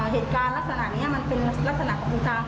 เหตุการณ์ลักษณะเนี้ยมันเป็นลักษณะของอุตาห์ของเรนนะคะเนี้ย